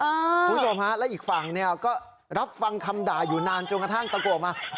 คุณผู้ชมฮะและอีกฝั่งเนี่ยก็รับฟังคำด่าอยู่นานจนกระทั่งตะโกนออกมา